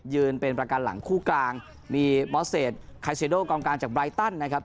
ยืนเป็นประกันหลังคู่กลางมีบ้อเศษไคเซโดอย่างกลัวจากไบร์ไตัน